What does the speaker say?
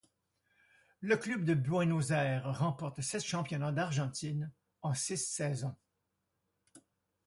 Le club de Buenos Aires remporte sept championnats d'Argentine en six saisons.